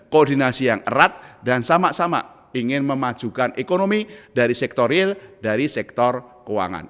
koordinasi yang erat dan sama sama ingin memajukan ekonomi dari sektor real dari sektor keuangan